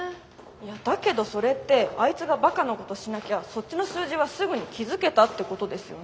いやだけどそれってあいつがバカなことしなきゃそっちの数字はすぐに気付けたってことですよね。